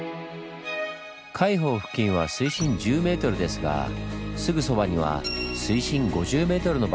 海堡付近は水深１０ｍですがすぐそばには水深５０ｍの場所があります。